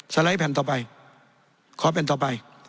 ไลด์แผ่นต่อไปขอแผ่นต่อไป